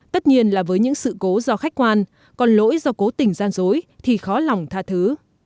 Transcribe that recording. tất nhiên là với những sự cố do khách quan còn lỗi do cố tình gian dối thì khó lòng tha thứ